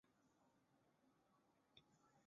城铁在此设有伊萨尔门站。